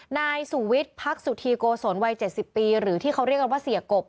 นายสุวิทย์พักสุธีโกศลวัย๗๐ปีหรือที่เขาเรียกกันว่าเสียกบ